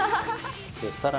さらに。